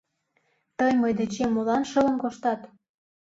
Тый мый дечем молан шылын коштат?